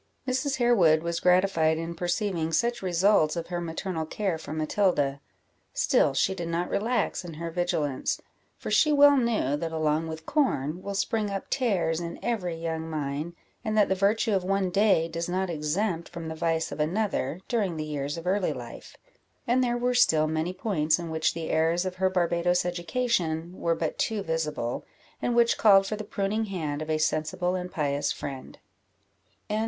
Mrs. Harewood was gratified in perceiving such results of her maternal care for Matilda: still she did not relax in her vigilance; for she well knew, that along with corn will spring up tares in every young mind, and that the virtue of one day does not exempt from the vice of another, during the years of early life; and there were still many points in which the errors of her Barbadoes education were but too visible, and which called for the pruning hand of a sensible and pious friend.